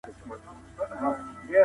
تاوتريخوالی ستونزه نه حل کوي.